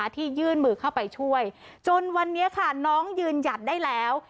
ที่ยื่นมือเข้าไปช่วยจนวันนี้ค่ะน้องยืนหยัดได้แล้ว